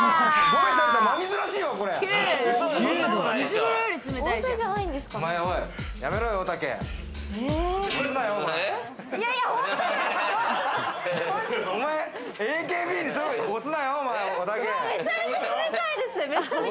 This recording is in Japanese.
めちゃめちゃ冷たいです！